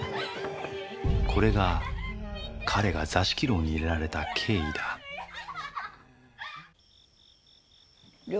これが彼が座敷牢に入れられた経緯だ了